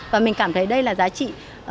và mình cảm thấy đây là giá trị